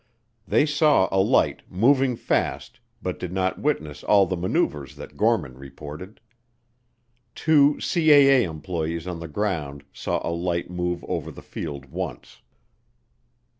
They saw a light "moving fast," but did not witness all the maneuvers that Gorman reported. Two CAA employees on the ground saw a light move over the field once.